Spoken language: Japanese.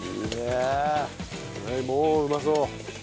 もううまそう。